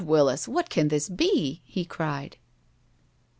Willis, what can this be?" he cried.